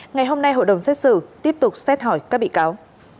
ngày hôm nay hội đồng xét xử tiếp tục xét hỏi các bị cáo